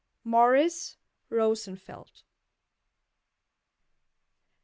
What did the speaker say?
_Morris Rosenfeld.